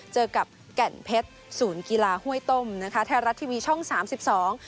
เจอกับแก่นเพชรศูนย์กีฬาห้วยต้มนะคะไทยรัฐทีวีช่องสามสิบสอง